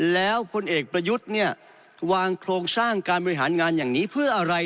แล้วพลเอกประยุทธ์เนี่ยวางโครงสร้างการบริหารงานอย่างนี้เพื่ออะไร